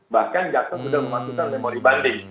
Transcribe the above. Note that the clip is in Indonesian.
bahkan jaksa sudah memasukkan memori banding